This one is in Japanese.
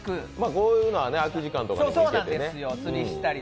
こういうのは空き時間とかに行けてね。